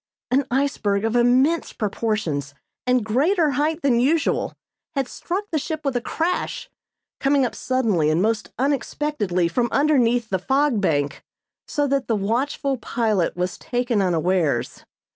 An iceberg of immense proportions and greater height than usual had struck the ship with a crash, coming up suddenly and most unexpectedly from underneath the fog bank so that the watchful pilot was taken unawares.